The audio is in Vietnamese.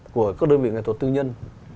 của các đơn vị nghệ thuật tư nhân